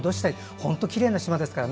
本当にきれいな島ですからね。